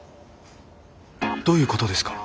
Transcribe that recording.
どういうことですか？